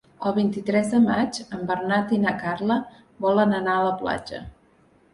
El vint-i-tres de maig en Bernat i na Carla volen anar a la platja.